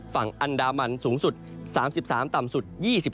ฝั่งอันดามันสูงสุด๓๓ต่ำสุด๒๓